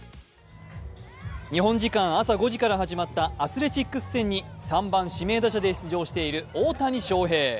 日本時間朝５時から始まったアスレチックス戦に３番・指名打者で出場している大谷翔平。